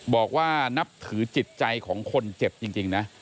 บอกว่านับถือจิตใจของคนเจ็บจริงนะ